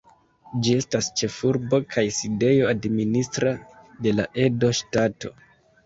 Ĝi estas ĉefurbo kaj sidejo administra de la Edo Ŝtato.